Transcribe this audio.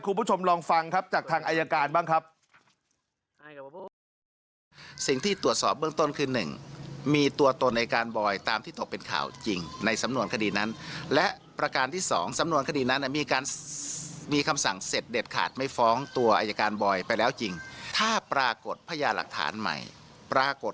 คุณผู้ชมลองฟังครับจากทางอายการบ้างครับ